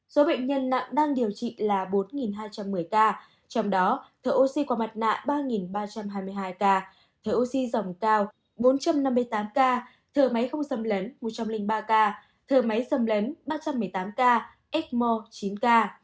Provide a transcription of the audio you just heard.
số bệnh nhân nặng đang điều trị là bốn hai trăm một mươi ca trong đó thở oxy qua mặt nạ ba ba trăm hai mươi hai ca thở oxy dòng cao bốn trăm năm mươi tám ca thở máy không xâm lấn một trăm linh ba ca thở máy xâm lấn ba trăm một mươi tám ca ecmo chín ca